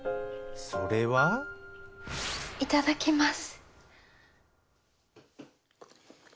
それは桃江：いただきます